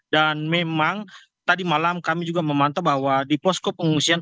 dan memang tadi malam kami juga memantau bahwa diposko pengungsian